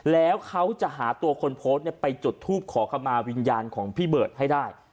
แล้วเขาจะหาตัวคนโพสต์ไปจุดทูปขอขมาวิญญาณของพี่เบิร์ตให้ได้